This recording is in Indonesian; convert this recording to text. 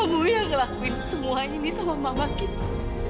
kamu yang ngelakuin semua ini sama mama kita